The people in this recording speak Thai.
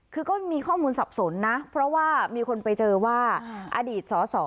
คือก็มีข้อมูลสับสนนะเพราะว่ามีคนไปเจอว่าอดีตสอสอ